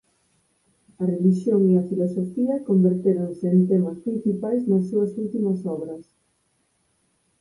A relixión e a filosofía convertéronse en temas principais nas súas últimas obras.